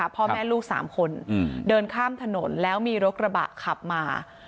พ่อแม่ลูก๓คนเดินข้ามถนนแล้วมีรถกระบะขับมา